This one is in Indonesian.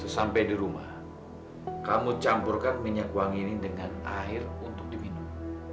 sampai di rumah kamu campurkan minyak wangi ini dengan air untuk diminum